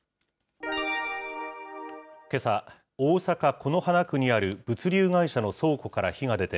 けさ、大阪・此花区にある物流会社の倉庫から火が出て、